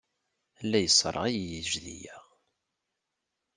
La yesserɣay yejdi-a.